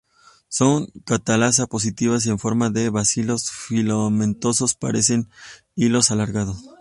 Son catalasa-positivas y con forma de bacilos filamentosos, parecen hilos alargados.